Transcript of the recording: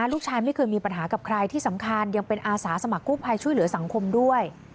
ลูกชายไม่เคยมีปัญหากับใครที่สำคัญยังเป็นอาสาสมัครกู้ภัยช่วยเหลือสังคมด้วย